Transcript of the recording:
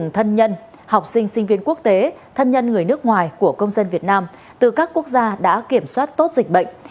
thân nhân học sinh sinh viên quốc tế thân nhân người nước ngoài của công dân việt nam từ các quốc gia đã kiểm soát tốt dịch bệnh